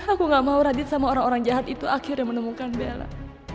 aku gak mau radit sama orang orang jahat itu akhirnya menemukan bella